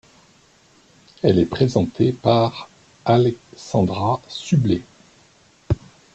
Elle est présentée par Alessandra Sublet.